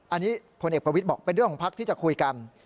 อันนี้พลเอกประวิทย์บอกเป็นเรื่องของพักที่จะคุยกัน